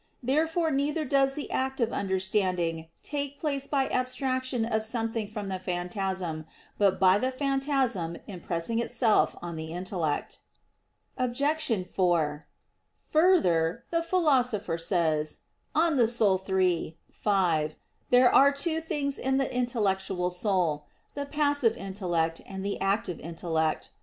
Therefore neither does the act of understanding take place by abstraction of something from the phantasm, but by the phantasm impressing itself on the intellect. Obj. 4: Further, the Philosopher says (De Anima iii, 5) there are two things in the intellectual soul the passive intellect and the active intellect.